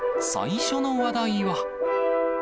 最初の話題は。